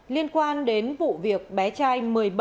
liên quan đến vụ việc bé trai một mươi bảy